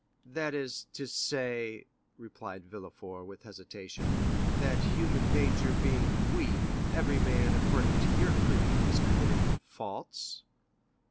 "That is to say," replied Villefort with hesitation, "that human nature being weak, every man, according to your creed, has committed faults."